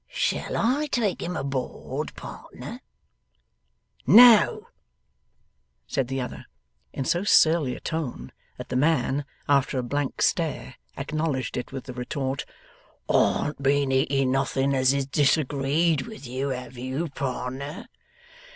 Shall I take him aboard, pardner?' 'No,' said the other. In so surly a tone that the man, after a blank stare, acknowledged it with the retort: ' Arn't been eating nothing as has disagreed with you, have you, pardner?